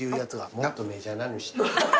もっとメジャーなのにしてよ。